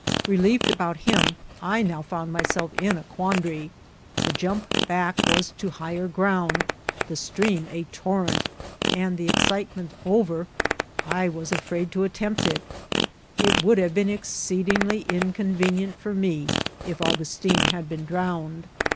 Relieved about him, I now found myself in a quandary. The jump back was to higher ground, the stream a torrent, and, the excitement over, I was afraid to attempt it* It would have been exceedingly inconvenient for me if Augustin had been drowned.